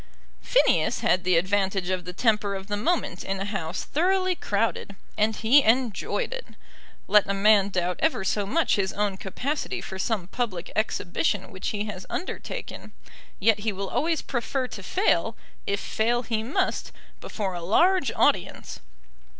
Phineas had the advantage of the temper of the moment in a House thoroughly crowded, and he enjoyed it. Let a man doubt ever so much his own capacity for some public exhibition which he has undertaken; yet he will always prefer to fail, if fail he must, before a large audience.